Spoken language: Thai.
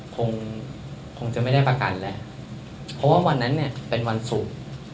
คงคงจะไม่ได้ประกันแหละเพราะว่าวันนั้นเนี่ยเป็นวันศุกร์